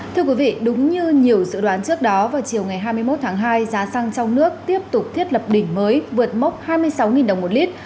thưa quý vị đúng như nhiều dự đoán trước đó vào chiều ngày hai mươi một tháng hai giá xăng trong nước tiếp tục thiết lập đỉnh mới vượt mốc hai mươi sáu đồng một lít